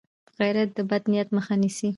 غیرت د بد نیت مخه نیسي